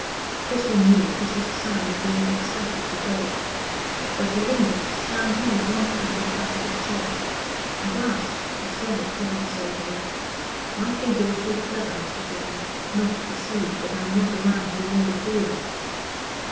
Christian knew this was a sign that he was expected to go, but he lingered standing, with one hand on the back of his chair. At last, he said rather sulkily "I think you're too clever, Mr. Jermyn, not to perceive that I'm not a man to be made a fool of."